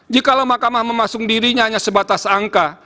jikalau makamah memasung dirinya hanya sebatas angka